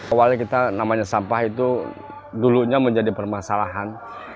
awalnya kita namanya sampah itu dulunya menjadi permasalahan